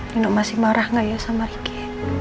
nino masih marah gak ya sama riki